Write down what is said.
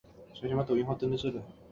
黄花珀菊是菊科珀菊属的植物。